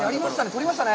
取りましたね。